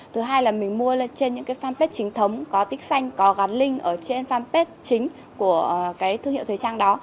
thứ hai là mình mua lên trên những cái fanpage chính thống có tích xanh có gắn link ở trên fanpage chính của cái thương hiệu thời trang đó